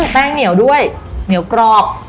แป้งเหนียวกรอบ